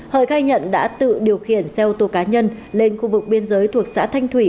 hời gai nhận đã tự điều khiển xe ô tô cá nhân lên khu vực biên giới thuộc xã thanh thủy